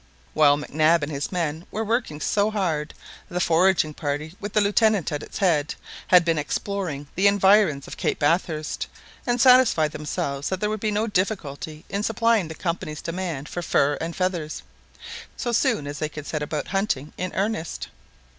While Mac Nab and his men were working so hard, the foraging party, with the Lieutenant at its head, had been exploring the environs of Cape Bathurst, and satisfied themselves that there would be no difficulty in supplying the Company's demands for fur and feathers, so soon as they could set about hunting in earnest.